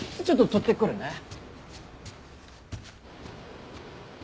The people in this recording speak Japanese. ちょっと取ってくるね。